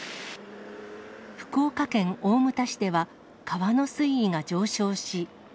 福岡県大牟田市では、川の水位が上昇し。